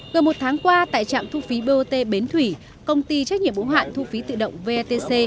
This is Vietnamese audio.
gần một tháng qua tại trạm thu phí bot bến thủy công ty trách nhiệm ủng hạn thu phí tự động vetc